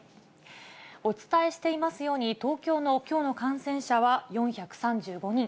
お伝えしていますように、東京のきょうの感染者は４３５人。